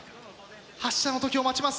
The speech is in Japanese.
発射の時を待ちます。